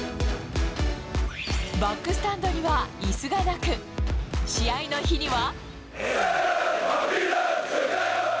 バックスタンドにはいすがなく、試合の日には。